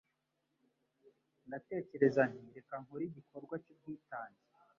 ndatekereza nti reka nkore igikorwa cy'ubwitange